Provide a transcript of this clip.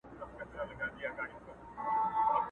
ګورته وړي غریب او خان ګوره چي لا څه کیږي.!